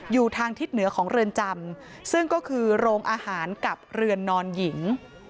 อยู่ทางทิศเหนือของเรือนจำซึ่งก็คือโรงอาหารกับเรือนนอนหญิง